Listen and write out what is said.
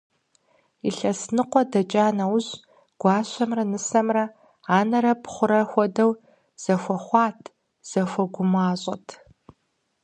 Илъэс ныкъуэ дэкӀа нэужь, гуащэмрэ нысэмрэ анэрэ пхъурэ хуэдэу зэхуэхъуат, зэхуэгумащӀэт.